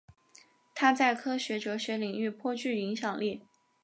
他在科学哲学领域颇具影响力。